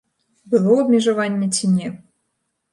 Было абмежаванне ці не.